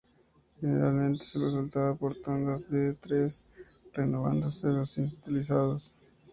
Generalmente se los soltaba por tandas de tres, renovándose los inutilizados.